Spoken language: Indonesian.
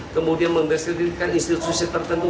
kemudian mendeskreditkan institusi tertentu